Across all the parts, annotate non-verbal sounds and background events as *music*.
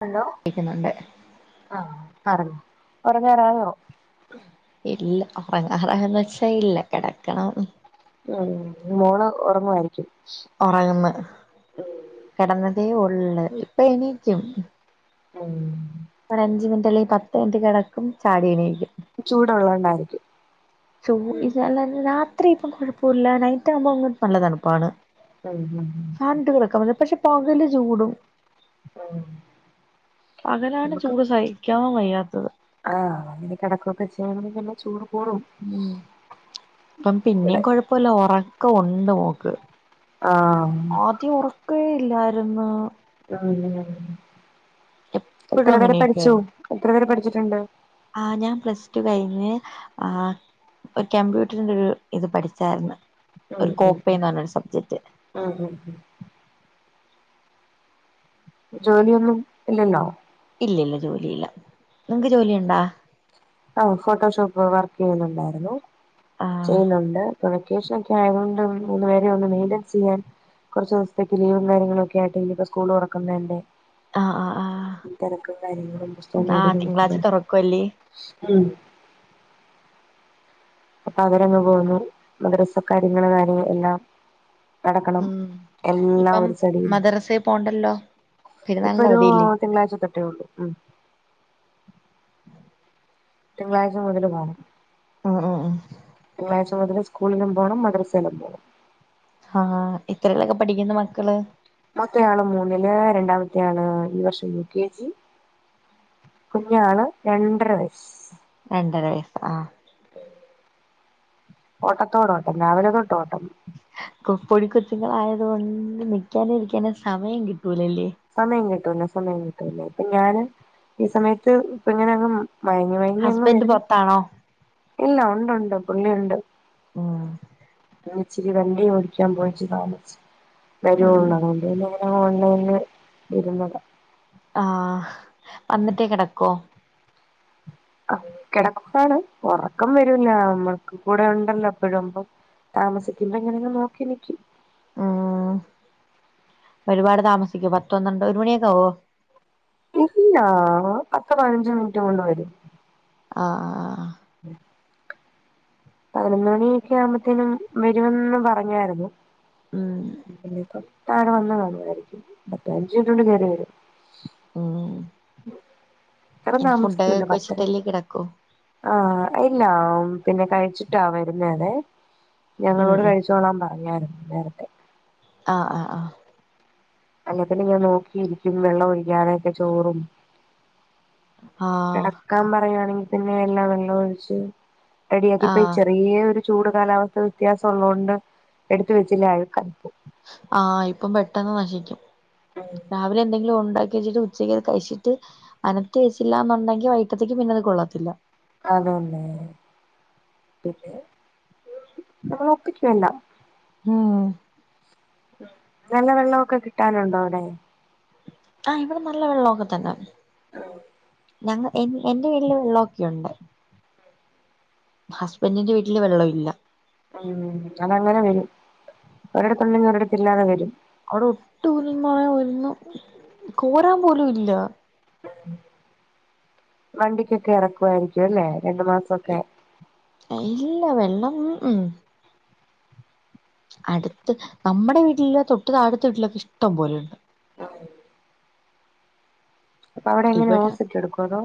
hello ക്കുന്നുണ്ട് ആഹ പറഞ്ഞ ഒറങ്ങാറായോ ഇല്ല ഉറങ്ങാറയൊ ന്നു വച്ചാ ഇല്ല കിടക്കണം ഉം മോള് ഉറങ്ങുവായിരിക്കും ഉറങ്ങന്ന് കിടന്ന അതേ ഉള്ള ഇപ്പൊ എണിക്കും ഉം ഒരു അഞ്ച് മിനിറ്റ് അല്ലെങ്കി പത്ത് മിനിറ്റ് കെടക്കും ചാടിയണീക്കും ചൂടുള്ളോണ്ടായിരിക്കും ചൂ ഇതല്ല രാത്രി ഇപ്പം കുഴപ്പൂല്ല നൈറ്റ് ആവുമ്പം അങ്ങ് നല്ല തണുപ്പാണ് ഉം ഉം ഉം ഫാൻട്ടു കെടക്കു *unintelligible* പക്ഷെ പകല് ചൂടും ഉം പകലാണ് നമുക്ക് ചൂട് സഹിക്കാം വയ്യാത്തത് ആഹ് അങ്ങനെ കെടക്കൊക്കെ ചെയ്യ *unintelligible* പിന്നെ ചൂടും ഉം ഇപ്പം പിന്നേം ഇവിടെ കൊഴപ്പൊല്ല ഒറക്ക ഉൺ ഇണ്ട് മോക്ക് ആഹ് ആദ്യം ഉറക്കേ ഇല്ലാരും ന്ന് അങ്ങനെ *unintelligible* എപ്പോഴും എത്ര വരെ പഠിച്ചു അങ്ങനെയൊക്കെയായിരുന്നു എത്ര വരെ പഠി ട്ട്ണ്ട് ആ ഞാൻ പ്ലസ് ടു കഴിഞ്ഞ് ആ ഒരു കമ്പ്യൂട്ടറിന്റെ ഒരു ഇത് പഠിച്ചാരുന്ന് ഉം ഒരു ഉം കോപ്പേ ഉം എന്ന റഞ്ഞ ഒര് സബ്ജക്ട് ഉം ഉം ജോലിയൊന്നും ഇല്ലല്ലോ ഇല്ല്യ ഇല്ല്യ ജോലിയില്ല നിങ്ങക്ക് ജോലിയുണ്ടാ ആ ഫോട്ടോഷോപ്പ് വർക്ക് ചെയ്യുന്നുണ്ടാരുന്നു ആഹ് ചെയ്യുന്നുണ്ട് ഇപ്പ വെക്കേഷനൊക്കെ ആയതുകൊണ്ട് മൂന്ന് പെരെ ഒന്ന് മെയിൻററെൻ ചെയ്യാൻ കുറച്ച് ദിവസത്തേക്ക് ലീവും കാര്യങ്ങളൊക്കെ ആയിട്ട് ഇനി ഇപ്പോൾ സ്കൂൾ തുറക്കുന്നതല്ലേ ആഹ് ആഹ് ആഹ് ഈ തെരക്കും കാര്യങ്ങളും പുസ്തകം ആഹ് മേടീരും തിങ്കളാഴ്ച തുറക്കുവല്ലേ *unintelligible* ഉം അപ്പൊ അവരങ്ങ് പോന്നു മദ്രസ കാര്യങ്ങൾ കാര്യങ്ങൾ എല്ലാം നടക്കണം ഉം എല്ലാം ഇപ്പം ഒരു ചടിയും മദ്രസേ പോണ്ടല്ലോ ഇപ്പ പെരുന്നാളിന്റെ ഒരു അവധിയില്ലേ തിങ്കളാഴ്ച തൊട്ടേ ഉള്ളൂ ഉം തിങ്കളാഴ്ച മുതൽ പോണം ഉം ഉം ഉം തിങ്കളാഴ്ച മുതല് സ് സ്കൂളിലും പോണം മദ്രസേലും പോണം ഹാ എത്രയിലൊക്ക പഠിക്കുന്നു മക്കള് മൂത്ത ആള് മൂന്നില് രണ്ടാമത്തെ ആള് ഈ വർഷം യു കെ ജി കുഞ്ഞാള് രണ്ടര വയസ് രണ്ടര വയസ് ആ ഓട്ടത്തോടോട്ടം രാവിലെ തൊ കൊപ്പടിക്കൊ ഇങ്ങൾ ആയതുകൊണ്ട് നിക്കാനും ഇരിക്കാനും സമയം കി റ്റൂലല്ലേ കിട്ടുന്ന സമയം കിട്ടല്ലേ ഇപ്പൊ ഞാന് ഈ സമയത്ത് ഇപ്പ ഇങ്ങനെങ്ങും മയങ്ങി മയങ്ങി അങ്ങ് ഹസ്ബൻഡ് വരുന്നു പൊറത്താണോ ഇല്ല ഒണ്ട് ഒണ്ട് പുള്ളി ഒണ്ട് ഉം ഞാന് ഇച്ചിരി വണ്ടി ഓടിക്കാൻ പോയിട്ടു താമസിച്ചു ഉം വെരുവോന്ന് അറിഞ്ഞിയില്ലോലെ ആ ഉണ്ട് ഉണ്ട് ഇരുന്നതാ ആ വന്നിട്ടേ കിടക്കോ ആ കിടക്കു ആണ് ഉറക്കം വരൂല്ല നമ്മക്ക് കൂടെ ഉണ്ടല്ലോ എപ്പഴും ഇപ്പം താമസിക്കുമ്പോ എങ്ങനേന്നു നോക്കിനിക്കും ഉം ഒരുപാട് താമസിക്കും പത്ത് പന്ത്രണ്ട് ഒരു മണിയൊക്കെ ആവോ ഇല്ലാ പത്തോ പതിനഞ്ചോ മിനിറ്റ് കൊണ്ട് വരും ആ ആ ആ ഉം പതിനൊന്ന് മണിയൊക്കെ ആവുമ്പോത്തിനും വരുമെന്ന് പറഞ്ഞായിരുന്നു ഉം പിന്നേത താഴെ വന്നു കാണുവായിരിക്കും ബത്ത അഞ്ചു മിനിറ്റുകൊണ്ട് കേറി വരും ഉം ഇത്രം ഇനി ഫുഡൊക്കെ താമസിക്കല്ലോ പത്തര കഴിച്ചിട്ടല്ലേ കിടക്കൂ ആ ഇല്ല പിന്നെ കഴിച്ചിട്ടാ വരുന്നത് ഉം ഞങ്ങളോട് ഉം കഴിച്ചോളാൻ പറഞ്ഞായിരുന്നു വെറുതെ അ ആ അല്ലേപ്പിന്നെ ഞാൻ നോക്കിയിരിക്കും വെള്ളം ഒഴിക്കാതെക്കെ ചോറും ആഹ് കിടക്കാൻ പറയുവാണെങ്കി പിന്നെ എല്ലാം വെള്ളം ഒഴിച്ച് റെഡിയാക്കിപ്പോ ആഹ് ചെറിയ ഒരു ചൂട് കാലാവസ്ഥ വ്യത്യാസം ഉള്ളോണ്ട് എടുത്ത് വെച്ചില്ലേ അഴുക്കായി പോകും ആ ഇപ്പം പെട്ടന്ന് നശിക്കും രാവിലെ എന്തങ്കിലും ഒണ്ടാ കഴിച്ചിട്ട് ഉച്ചക്കത് കഴച്ചിട്ട് അനത്തി വെച്ചില്ല ഒണ്ടെങ്കി വൈകിട്ടേത്തേക്ക് അത് പിന്നെ കൊള്ളാത്തില്ല അതന്നെ പിന്നെ നമ്മള ഒക്കിറ്റല്ല ഉം നല്ല വെള്ളവൊക്കെ കിട്ടാനുണ്ടോവിടെ ആ ഇവിടെ നല്ല വെള്ളമൊക്കെ തന്നെ ഉം ഞങ്ങ എന്എന്റെ വീട്ടിൽ വെള്ളവൊക്കെയുണ്ട് ഹസ്ബൻഡിന്റെ വീട്ടില് വെള്ളം ഇല്ല ഉം അതങ്ങനെ വരൂ ഒരിടത്തുണ്ടങ്കിൽ ഒരിടുത്ത്ഇല്ലാതെ വരും അവിടെ ഒട്ടുയില്ലയെന്നു പറഞ്ഞാ ഒന്ന് കോരാൻ പോലും ഇല്ല വണ്ടിക്കൊക്കെ എറക്കുവായിരിക്കും അല്ലേ രണ്ടു മാസമൊക്കെ ഇല്ല വെള്ളംമം ഉം അടുത്ത് നമ്മുടെ വീട്ടില് തൊട്ടു താഴത്തെ വീട്ടിലൊക്കെ ഇഷ്ടം പോലെയുണ്ട് ആ അപ്പൊ അവിടെ എങ്ങനെ ഇവിടെ ഓസിട്ട് എടുക്കോ അതോ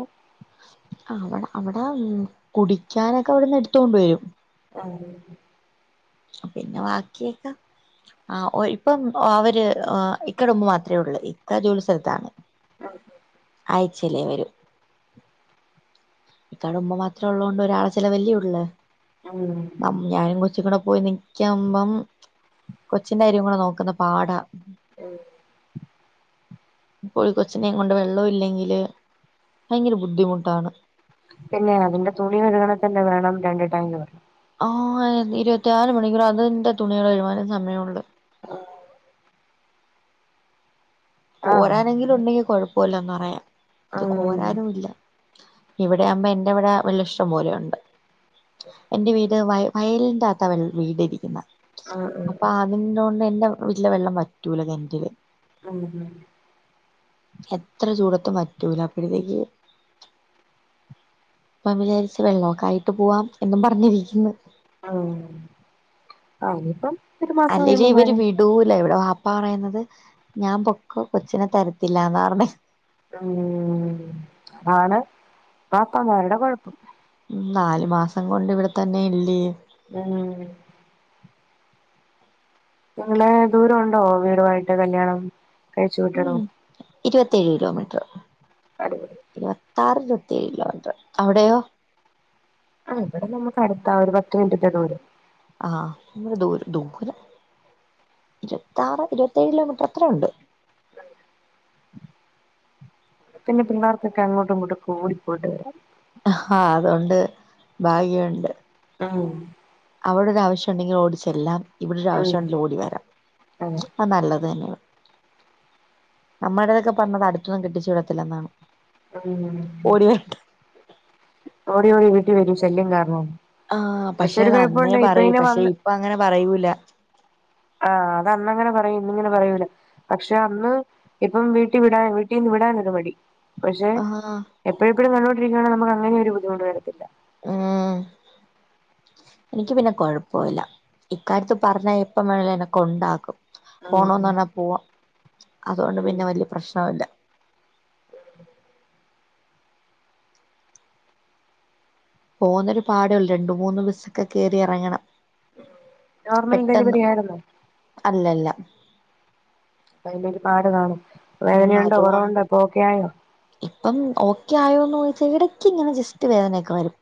അം കുടിക്കാനൊക്കെ ഇവിടുന്ന് എടുത്തൊണ്ട് വരും ആ പിന്നെ ബാക്കിയൊക്കെ ആ ഒരു ഇപ്പം അവര് ഇക്കടുമ്പ് മാത്രമേ ഉള്ളൂ ഇക്ക ജോലി സ്ഥലത്താണ് ആയി ചിലവെരും ഇക്കാണുമ്പോ മാത്രേ ഉള്ളോണ്ട് ഒരാളെ ചിലവ് അല്ലേയോള്ളൂ ഉം മ ഞാനും കൊച്ചും കൂടെ പോയി നിക്കിബം കൊച്ചിന്റെ കാര്യം കൂടെ നോക്കുന്ന പാടാ ഉം ഇപ്പോഴകൊച്ചിനെ കൊണ്ട് വെള്ളം ഇല്ലേ നിലെ ഭയങ്കര ബുദ്ധിമുട്ടാണ് പിന്നെ അതിന്റെ തുണി കഴുകണേ തന്നെ വേണം രണ്ട് ട്ടാങ്ക് വെള്ളം ആ ഇരുപത്തിനാൽ മണിക്കൂർ അതിന്റെ തുണി കയുവാനെ സമയ ഉള്ള് ആ ആഹ് കോരാനെങ്കിലും ഉണ്ടെങ്കി കൊഴ പോലന്ന് പറയാം ഇത് ആഹ് കോരാനുല്ല ഇവിടെയാവുമ്പോ എന്റെ ഇവിടെ വെള്ളം ഇഷ്ട്ടപോലെയുണ്ട് എന്റെ വീട് വ വയലിന്റെത്താ വീട് ഇരിക്കുന്ന ആഹ് അപ്പൊ അത് ഇൻടോണ്ടന്നെ വീട്ടിലെ വെള്ളം വറ്റൂല കെണറ്റിൽ ഉം ഉം എത്ര ചൂടത്തും വറ്റൂല അപ്പോഴത്തേക്ക് ഇപ്പം വിചാരിച്ച വെള്ളമൊക്കെ ആയിട്ട് പോവാം എന്നും പറഞ്ഞിരിക്കുന്നു അം അയിനിപ്പം അല്ലെങ്കി ഇവര് വിടൂല ഇവിടെ ആ പ്പ പറയുന്നത് ഞാൻ പൊക്കോ കൊച്ചിനെ തരത്തില്ലന്ന് പറണ് ഉം താണ് പാപ്പമാരുടെ കൊഴപ്പം ഉ നാലു മാസം കൊണ്ട് ഇവിടെ തന്നെ ഇല്ലേ ഉം നിങ്ങള് ദൂരമുണ്ടോ വീടുമായിട്ട് കല്യാണം കഴിച്ചു വിട്ടടോ മ്മ് ഇരുപത്തേഴ് കിലോമീറ്റർ അടിപൊളി ഇരു ത്താറ് ഇരുപത്തേഴ് കിലോമീറ്ററ് അവിടെയോ ആണ് ഇവിടെ നമ്മുക്ക് അടുത്താ ഒരു പത്ത് മിനിറ്റത്തെ ദൂരം ആഹ് ദൂരം ദൂരം ഇരുപത്താറ് ഇരുപത്തേഴ് കിലോമീറ്റർ അത്രയുണ്ട് പിന്നെ പിള്ളേർക്കൊക്കെ അങ്ങോട്ടും ഇങ്ങോട്ടും ഒക്കെ ഓടി പോയിട്ട് വരാം ആഹ് അതൊണ്ട് ഭാഗ്യവുണ്ട് ഉം അവിടെ ഒരു ആവശ്യം ഉണ്ടെങ്കിൽ ഓടിച്ചെല്ലാം ഇവിടെ ഒരു ആവശ്യം ഉണ്ടിൽ ഓടി വരാം ആഹ് അത് നല്ലത് തന്നെയാണ് നമ്മടേതൊക്കെ പറഞ്ഞത് അടുത്തൊന്നും കെട്ടിച്ചു വിടത്തില്ല എന്നാണ് മ്മ് ഓടി ഓടി വീട്ടിൽ വരും ശല്യം കാരണംമ്ന്ന് ആഹ് പക്ഷെ അത് അന്നേ പറയും പക്ഷെ വന്ന് ഇപ്പ അങ്ങനെ പറയൂല ന്നിങ്ങനെ പറയൂല പക്ഷെ അന്ന് ഇപ്പം വീട്ടിൽ വിടാ വീട്ടിൽന്ന് വിടാനൊരു മടി പക്ഷെ ആഹ് എപ്പോഴും എപ്പഴും കണ്ടോണ്ടി *unintelligible* അങ്ങനെയൊരു ബുദ്ധിമുട്ട് വരത്തില്ല മ്മ് എനിക്ക് പിന്നെ കൊഴപ്പില്ല ഇക്കാര്യത്തി പറഞ്ഞാൽ എപ്പം വേണെലും എന്നെ കൊണ്ടാക്കും ഉം പോണോന്ന് ഉം പറഞ്ഞാ പോവാം അതൊണ്ട് ഉം പിന്നെ വലിയ പ്രശ്നവില്ല *unintelligible* പോകുന്നൊരു പാടെ ഉള്ളു രണ്ട് മൂന്ന് ബസ്സൊക്കെ കയറി ഇറങ്ങണം നോർമൽ പെട്ടെന്ന് ഡെലിവറി ആയിരുന്നോ അല്ലല്ല അപ്പോ അതിന് ഒരുപാട് കാണും മ്മ് വേദനയുണ്ടോ അതുകൊണ്ട് കുറവുണ്ടോ ഇപ്പൊ ഓക്കെ ആയോ ഇപ്പം ഓക്കെ ആയോ ആയോ ചോദിച്ചാ ഇടക്ക് ഇങ്ങനെ ജസ്റ്റ് വേദനയൊക്കെ വരും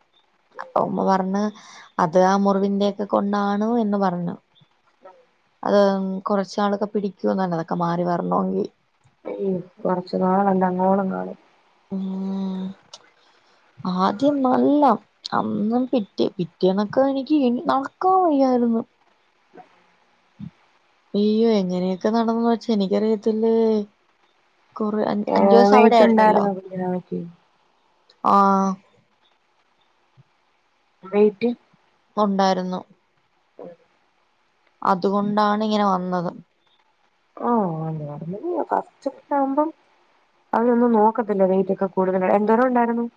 അപ്പൊ ഉമ്മ പറഞ്ഞ് അത് ആ മുറിവിന്റെക്കെ കൊണ്ടാണ് എന്ന് പറഞ്ഞു അത് കൊറച്ചാളൊക്കെ പിടിക്കൂന്ന് അതൊക്കെ മാറി വരണെങ്കിൽ കൊറച്ചു നാളല്ല അങ്ങോളം ഇങ്ങോളം മ്മ് ആദ്യം നല്ല അന്നും പിറ്റേ പിറ്റേന്നൊക്കെ എനിക്ക് നടക്കാൻ വയ്യായിരുന്നു അയ്യോ എങ്ങനെയൊക്കെ നടന്ന് വെച്ചാ എനിക്കറിയത്തില്ലെ കുറെ ഏ അഞ്ചു ദിവസം അവിടെ വെയിറ്റ് ആയിരുന്നല്ലോ ഉണ്ടായിരുന്നോ കുഞ്ഞാവയ്ക്ക് ആഹ് വെയിറ്റ് ഉണ്ടായിരുന്നു *unintelligible* അതുകൊണ്ടാണ് ഇങ്ങനെ വന്നത് ആഹ് നോർമ്മല് ഫസ്റ്റ് ഒക്കെ ആവുമ്പം അതിനൊന്നും നോക്കത്തില്ല വെയിറ്റ് ഒക്കെ കൂടുതല എന്തോരം ഉണ്ടായിരുന്നു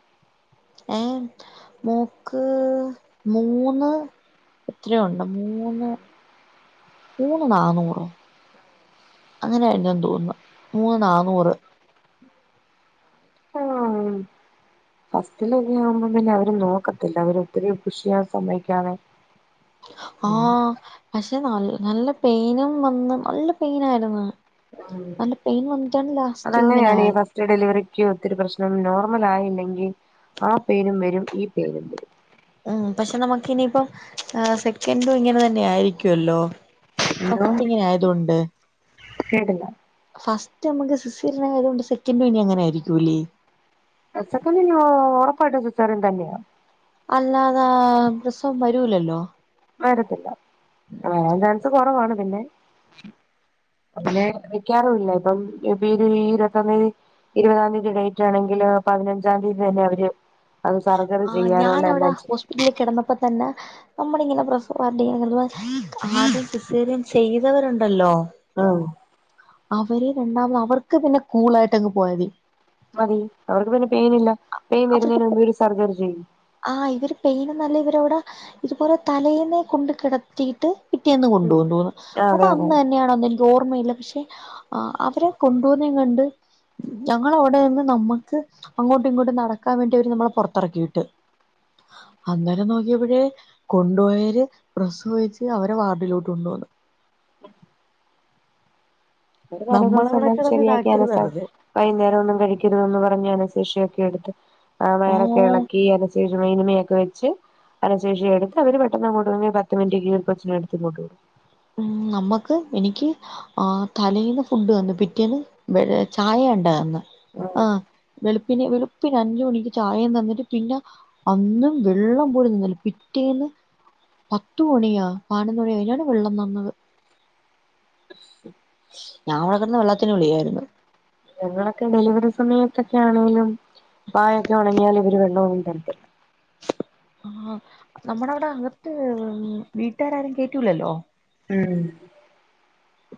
ഏഹ് മോക്ക് മൂന്ന് എത്രയോ യുണ്ട് മൂന്ന് മൂന്ന് നാന്നൂറോ അങ്ങനെയിരുന്നു എന്തോ തോന്നുന്നു മൂന്ന് നാന്നൂറ് ഫസ്റ്റിലന്നെ ആവുമ്പം പിന്നെ അവരും നോക്കത്തില്ല അവര് ഒത്തിരി പുഷ് ചെയ്യാൻ സമ്മതിക്കാതെ ഉം ആഹ് പക്ഷെ നല്ല നല്ല പെയിനും വന്ന് നല്ല പെയിനായിരുന്നു നല്ല പെയിൻ വന്നിട്ടാണ് ലാസ്റ്റ് ഇങ്ങനെ അതങ്ങനെയാണ് ഈ ആയത് ഫസ്റ്റ് ഡെലിവറിക്ക് ഒത്തിരി പ്രശ്നം നോർമൽ ആയില്ലെങ്കിൽ ആ പേരും വരും ഈ പേരും വരും ഉ പക്ഷെ നമുക്ക് ഇനിയിപ്പം സെക്കെന്റും ഇങ്ങനെ തന്നെ ആയിരിക്കുവല്ലോ എന്തോ ഫസ്റ്റ് ഇങ്ങനെയായതൊണ്ട് കേട്ടില്ല ഫസ്റ്റ് നമുക്ക് സിസ്റിന ആയത് കൊണ്ട് സെക്കൻഡ് ഇനി അങ്ങനെ ആയിരിക്കുംല്ലേ *unintelligible* ഒറപ്പായിട്ടും സച്ചറൻ തന്നെയാ അല്ലാതെ രസം വരൂലല്ലോ വരത്തില്ല ആ രണ്ടും കുറവാണ് പിന്നെ ന്നെ വെക്കാറുമില്ല ഇപ്പം ഇ ഒരു ഇരുപത്തൊന്ന് ഇരുപതാം തീയതി ഡേറ്റ് ആണെങ്കില് പതിനഞ്ചാം തീയതി തന്നെ അവര് അത് സർജറി ആ ചെയ്യാനുള്ള ഞാനവിടെ എല്ലാം ചെയ്യും ഹോസ്പിറ്റല് കിടന്നപ്പോ തന്നെ നമ്മളിങ്ങനെ പ്രസവ വാർഡിലിങ്ങനെ കെടക്കുമ്പോ ആദ്യം സിസേറിയൻ ചെയ്തവരുണ്ടല്ലോ ആഹ് അവര് രണ്ടാമത് അവർക്ക് പിന്നെ കൂളായിട്ടങ്ങ് പോയാതി മതി അവർക്ക് പിന്നെ പെയിനില്ല പെയിൻ വരുന്നന് മുമ്പ് ഒരു സർജറി ചെയ്യും ആ ഇവര് പെയിന് നല്ല ഇവരവിടെ ഇതുപോലെ തലേന്നെ കൊണ്ട് കിടത്തീട്ട് പിറ്റേന്ന് കൊണ്ടപോന്നു അതെ അപ്പൊ അതെ അന്ന് തന്നെയാണോന്ന ഓർമ്മയില്ല പക്ഷെ അവരെ കൊണ്ടോന്ന കണ്ട് ഞങ്ങളവിടെ നിന്ന് നമ്മുക്ക് അങ്ങോട്ടും ഇങ്ങോട്ടും നടക്കാൻ വേണ്ടി അവര് നമ്മളെ പുറത്തിറക്കി വിട്ട് അന്നേനെ നോക്കിയപ്പോഴേ കൊണ്ട പോയവര് പ്രസവിച്ച് അവരെ വാർഡിലോട്ട് കൊണ്ട് പോന്നു ഒരു തല ദിവസം നമ്മളവിടെ എല്ലാം കിടന്ന് ശരിയാക്കിയ ഇതാക്കിയത് വെറുതെ വൈകുന്നേരം ഒന്നും കഴിക്കരുത് എന്ന് പറഞ്ഞാണ് അനസ്ഥേഷ എടുത്ത് ആ ഓ വയറൊക്കെ ഇളക്കി അന എനിമയൊക്കെ വെച്ച് അനശേഷി എടുത്ത് അവര് പെട്ടെന്ന് കൂട്ടെ പത്ത് മിനിറ്റ് കൊച്ചനെടുത്ത് ഇങ്ങോട്ടെര് ഉ നമ്മക്ക് എനിക്ക് ആ തലേൽന്ന് ഫുഡ് തന്ന് പിറ്റേന്ന് ചായയേണ്ട തന്ന് ആ വിടും വെളുപ്പന് വെളുപ്പിന് അഞ്ച് മണിക്ക് ചായ തന്നിട്ട് പിന്നെ അന്നും വെള്ളം പോല തന്നില്ല പിറ്റേന്ന് പത്തുമണിയാ പതിനൊന്ന മണിയാ വെള്ളം തന്നത് ഞാൻ വടെ കിടന്ന് വെള്ളത്തിന് വിളിയായിരുന്ന് ഞങ്ങളൊക്കെ ഡെലിവറി സമയത്തൊക്കെ ആണെങ്കിലും വായൊക്കെ ഉണങ്ങിയാല് ഇവര് വെള്ളമൊന്നും തരത്തില്ല ആഹ് നമ്മുടെ അവിടെ അകത്ത് വീട്ടുകാരാരും കേറ്റൂലല്ലോ ഉം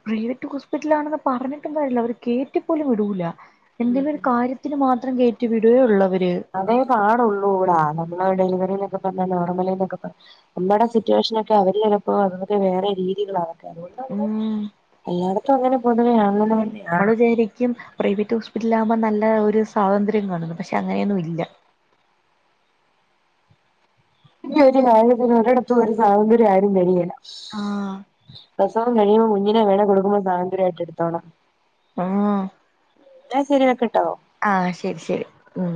പ്രൈവറ്റ് ഹോസ്പിറ്റലാണെന്ന് പറഞ്ഞിട്ടും കാരില്ല അവര് കേറ്റിപ്പോലും വിടൂല്ല ഉം എന്തെലും ഒരു കാര്യത്തിന് മാത്രം കേയറ്റി വിടുയേ ഉള്ളവര് അതേ പാടുള്ളൂ ഡാ നമ്മള് ഡെലിവറിലൊക്കെ നോർമലിന്നൊക്കെ പറ നമ്മുടെ സിറ്റുവേഷന് ഒക്കെ അവര് ചിലപ്പോൾ അതൊക്കെ വേറെ രീതികളാ എല്ലായിടത്തും അങ്ങനെ പൊതുവേ ആ മ്മള് വിചരിക്കും പ്രൈവറ്റ് ഹോസ്പി ല്ലാമ നല്ല ഒരു സ്വാതന്ത്ര്യം കാണുന്നു പക്ഷെ അങ്ങനെയൊന്നുല്ല പിന്നെ ഒരു കാര്യത്തിനും *unintelligible* ആരും വേരുകേല ആഹ് അപ്പം കഴിയുമ്പോ കുഞ്ഞിനെ വേണങ്കിൽ കൊടുക്കുമ്പോ സ്വാതന്ത്ര്യമായിട്ട് എടുത്തോണം ഉം ട്ട ശരിയാകട്ടോ ആ ശരി ശരി ഉം